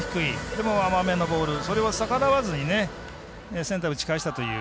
でも甘めのボールそれを逆らわずにセンターへ打ち返したという。